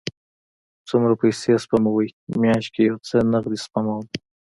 څومره پیسی سپموئ؟ میاشت کې یو څه نغدي سپموم